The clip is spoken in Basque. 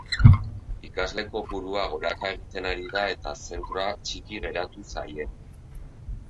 Ikasle kopurua goraka egiten ari da eta zentroa txiki geratu zaie.